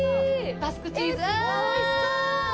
バスクチーズ。